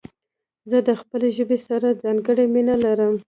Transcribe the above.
زه د خپلي ژبي سره ځانګړي مينه لرم.